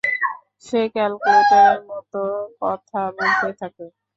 সে ক্যালকুলেটরের মত কথা বলতে থাকে।